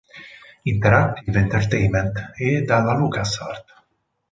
Interactive Entertainment e dalla LucasArts.